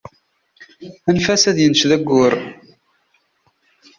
Anef-as ad yenced ayyur.